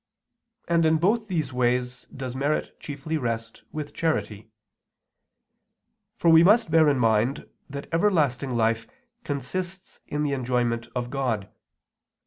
And in both these ways does merit chiefly rest with charity. For we must bear in mind that everlasting life consists in the enjoyment of God.